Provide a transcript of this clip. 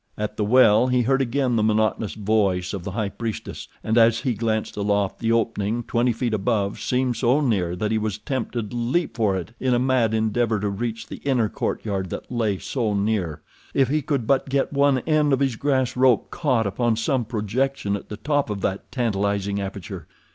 At the well he heard again the monotonous voice of the high priestess, and, as he glanced aloft, the opening, twenty feet above, seemed so near that he was tempted to leap for it in a mad endeavor to reach the inner courtyard that lay so near. If he could but get one end of his grass rope caught upon some projection at the top of that tantalizing aperture!